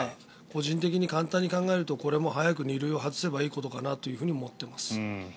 個人的に簡単に考えるとこれも早く２類を外せばいいことかなと思っております。